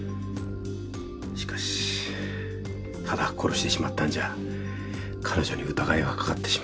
しかしただ殺してしまったんじゃ彼女に疑いがかかってしまう。